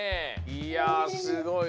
いやすごい。